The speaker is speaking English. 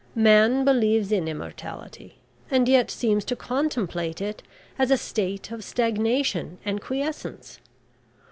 Man believes in immortality and yet seems to contemplate it as a state of stagnation and quiescence.